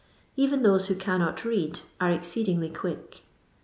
Even those who cannot read are exceedingly quick.